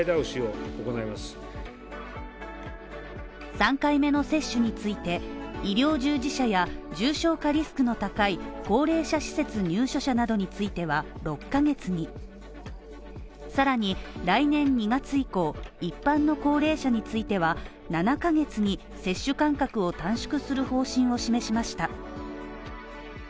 ３回目の接種について、医療従事者や重症化リスクの高い高齢者施設入所者などについては、６ヶ月にさらに来年２月以降、一般の高齢者については、７ヶ月に接種間隔を短縮する方針を示しました。